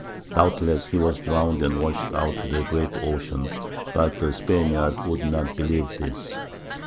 Doubtless he was drowned and washed out to the great ocean. But the Spaniards would not believe this.